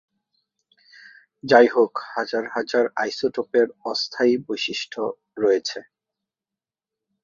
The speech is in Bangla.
যাইহোক হাজার হাজার আইসোটোপের অস্থায়ী বৈশিষ্ট্য রয়েছে।